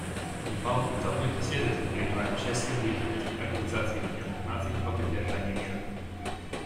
Непал давно и последовательно принимает участие в деятельности Организации Объединенных Наций по поддержанию мира.